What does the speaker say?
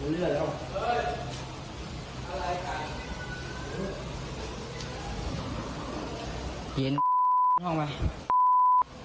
เลือดแตก